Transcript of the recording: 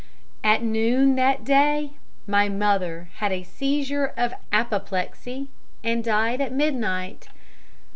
At noon that day my mother had a seizure of apoplexy, and died at midnight.